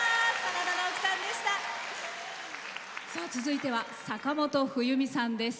続いては、坂本冬美さんです。